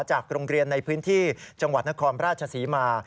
จากโรงเรียนในพื้นที่จังหวัดนครราชศรีมา